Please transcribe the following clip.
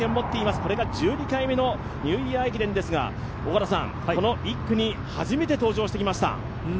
これが１２回目のニューイヤー駅伝ですがこの１区に初めて登場してきました